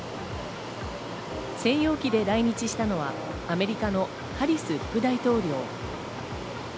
専用機で来日したのはアメリカのハリス副大統領。